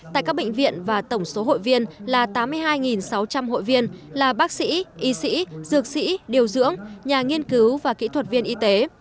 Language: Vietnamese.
tại các bệnh viện và tổng số hội viên là tám mươi hai sáu trăm linh hội viên là bác sĩ y sĩ dược sĩ điều dưỡng nhà nghiên cứu và kỹ thuật viên y tế